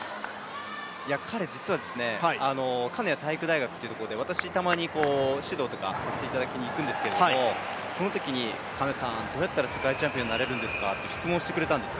彼実は、体育大学に私、たまに指導とかさせていただきに行くんですけど、そのときにどうやったら世界チャンピオンになれますかって質問してくれたんです。